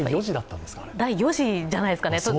第４次じゃないですかね。